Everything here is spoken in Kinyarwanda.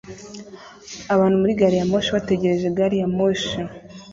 Abantu muri gari ya moshi bategereje gari ya moshi